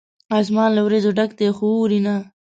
اسمان له وریځو ډک دی ، خو اوري نه